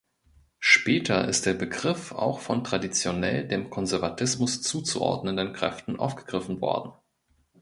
Später ist der Begriff auch von traditionell dem Konservatismus zuzuordnenden Kräften aufgegriffen worden.